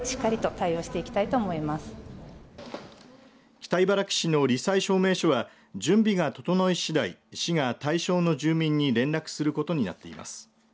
北茨城市のり災証明書は準備が整い次第市が対象の住民に連絡することになっています。